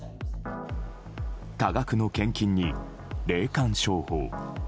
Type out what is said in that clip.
多額の献金に霊感商法